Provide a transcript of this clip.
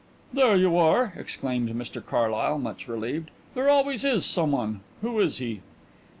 "There you are," exclaimed Mr Carlyle, much relieved. "There always is someone. Who is he?"